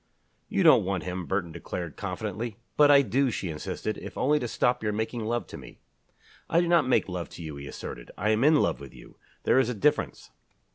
"You don't want him," Burton declared, confidently. "But I do," she insisted, "if only to stop your making love to me." "I do not make love to you," he asserted. "I am in love with you. There is a difference."